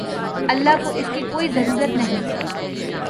اللہ کو اس کی کوئی ضرورت نہیں